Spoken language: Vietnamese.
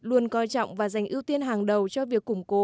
luôn coi trọng và dành ưu tiên hàng đầu cho việc củng cố